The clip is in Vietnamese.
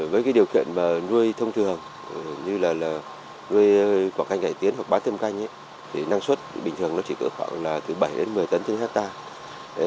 với điều kiện nuôi thông thường như nuôi quả canh gãy tiến hoặc bá tơm canh năng suất bình thường chỉ có khoảng bảy một mươi tấn trên hectare